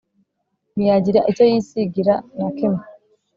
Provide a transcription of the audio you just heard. . Ntiyagira icyo yisigira: na kimwe